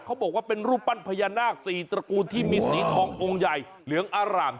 เขาบอกว่าเป็นรูปปั้นพญานาคสี่ตระกูลที่มีสีทององค์ใหญ่เหลืองอร่าม